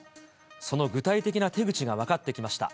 その具体的な手口が分かってきました。